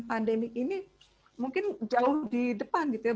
pandemi ini mungkin jauh di depan gitu ya